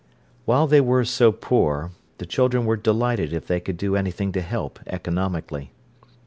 While they were so poor, the children were delighted if they could do anything to help economically.